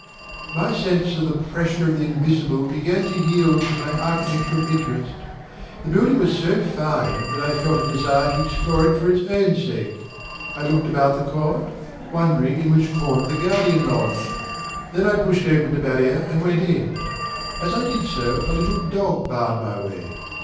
My sense of the pressure of the invisible began to yield to my architectural interest. The building was so fine that I felt a desire to explore it for its own sake. I looked about the court, wondering in which corner the guardian lodged. Then I pushed open the barrier and went in. As I did so, a little dog barred my way.